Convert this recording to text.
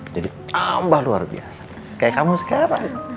jadi tambah luar biasa kayak kamu sekarang hehehe ngomong iya ya